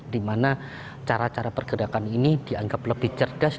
dimana cara cara pergerakan ini dianggap lebih cerdas